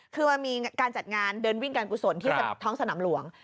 คือมันมีการจัดงานเดินวิ่งการกุศลที่ท้องสนามหลวง